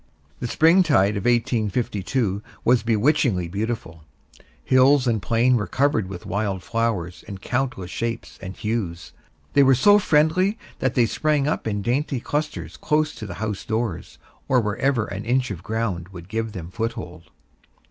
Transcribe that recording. The spring tide of 1852 was bewitchingly beautiful; hills and plain were covered with wild flowers in countless shapes and hues. They were so friendly that they sprang up in dainty clusters close to the house doors, or wherever an inch of ground would give them foothold.